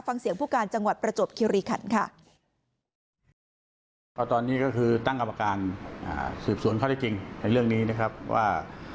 ฟังเสียงผู้การจังหวัดประจวบคิริขันค่ะ